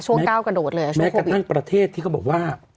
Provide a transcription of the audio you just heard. ช่วงเก้ากระโดดเลยช่วงโควิดแม้กระทั่งประเทศที่เขาบอกว่า